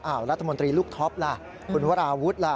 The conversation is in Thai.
รัฐมนตรีลูกท็อปล่ะคุณวราวุฒิล่ะ